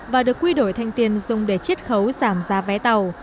và được quy đổi thành tiền dùng để chiết khấu giảm giá vé tàu